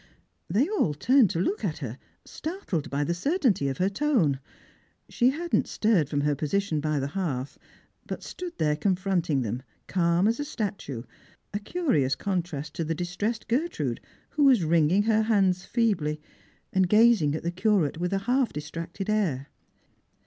They all turned to look at her, startled by the certainty of her tone. She had not stirred from her position by the hearth, but ^tood there confronting them, calm as a statue, a curious con trast to the distressed Gertrude, who was wringing her hands feebly, and gazing at the Curate with a half distracted air.